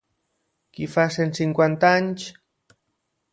Qui fa cent cinquanta anys?